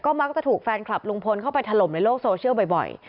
มักจะถูกแฟนคลับลุงพลเข้าไปถล่มในโลกโซเชียลบ่อย